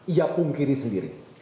ia pungkiri sendiri